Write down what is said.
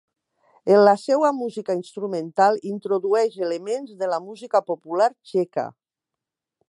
En la seua música instrumental introdueix elements de la música popular txeca.